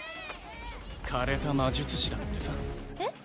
枯れた魔術師だってさえっ？